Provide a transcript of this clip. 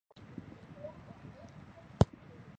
他也代表匈牙利国家足球队参赛。